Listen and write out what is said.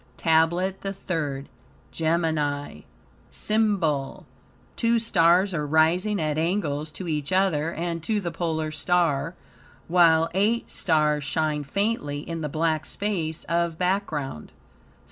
TABLET THE THIRD Gemini SYMBOL Two stars are rising at angles to each other and to the Polar star, while eight stars shine faintly in the black space of background.